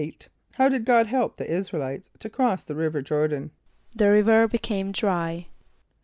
= How did God help the [)I][s+]´ra el [=i]tes to cross the river Jôr´dan? =The river became dry.